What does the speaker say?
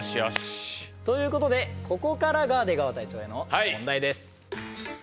ということでここからが出川隊長への問題です。